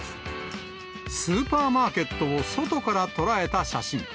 スーパーマーケットを外から捉えた写真。